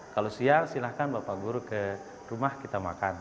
kalau siapa yang usia silahkan bapak guru ke rumah kita makan